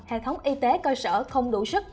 hệ thống y tế coi sở không đủ sức